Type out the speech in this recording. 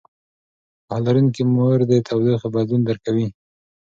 پوهه لرونکې مور د تودوخې بدلون درک کوي.